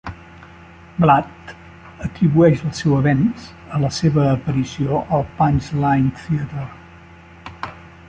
Platt atribueix el seu avenç a la seva aparició al Punch Line Theatre.